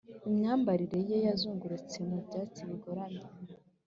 imyambarire ye, yazungurutse mu byatsi bigoramye,